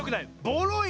ぼろい